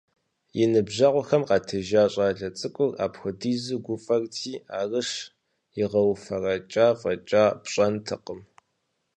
И ныбжьэгъухэм къатежа щӀалэ цӀыкӀур апхуэдизу гуфӀэрти, арыщ игъэуфэрэкӀауэ фӀэкӀа пщӀэнтэкъым.